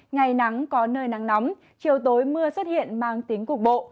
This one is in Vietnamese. ngày nắng có nơi nắng nóng chiều tối mưa xuất hiện mang tính cục bộ